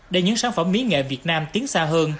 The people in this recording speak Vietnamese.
để những sản phẩm mỹ nghệ việt nam tiến xa hơn